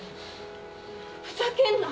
ふざけんな！